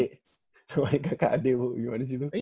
kayak kakak ade gimana sih lu